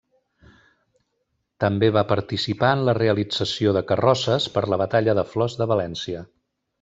També va participar en la realització de carrosses per la batalla de flors de València.